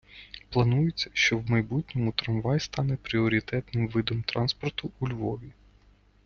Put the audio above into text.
Планується, що в майбутньому трамвай стане пріоритетним видом транспорту у Львові.